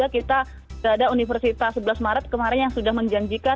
kita sudah ada universitas sebelas maret kemarin yang sudah menjanjikan